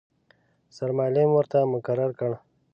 سرمعلم ورته مقرر کړ.